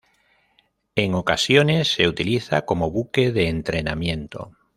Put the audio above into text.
En ocasiones se utiliza como buque de entrenamiento.